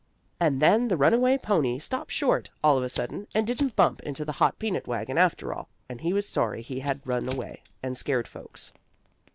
And then the runaway pony stopped short, all of a sudden, and didn't bump into the hot peanut wagon, after all, and he was sorry he had run away, and scared folks.